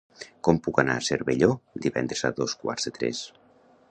Com puc anar a Cervelló divendres a dos quarts de tres?